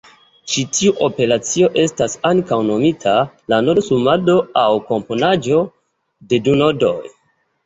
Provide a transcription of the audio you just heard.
Ĉi tiu operacio estas ankaŭ nomita la nodo-sumado aŭ komponaĵo de du nodoj.